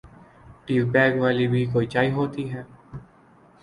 T bag والی بھی کوئی چائے ہوتی ہے؟